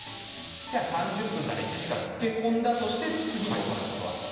３０分から１時間つけ込んだとして次に行うことは。